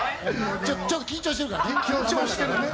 ちょっと緊張してるからね。